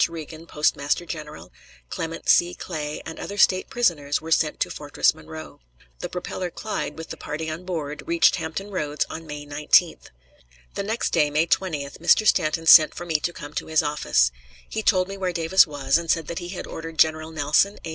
Reagan, Postmaster General, Clement C. Clay, and other State prisoners, were sent to Fortress Monroe. The propeller Clyde, with the party on board, reached Hampton Roads on May 19th. The next day, May 20th, Mr. Stanton sent for me to come to his office. He told me where Davis was, and said that he had ordered General Nelson A.